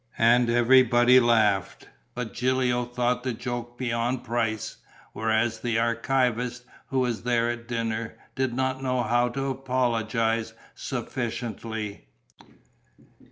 And everybody laughed, but Gilio thought the joke beyond price, whereas the archivist, who was there at dinner, did not know how to apologize sufficiently.